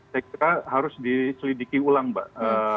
saya kira harus diselidiki ulang mbak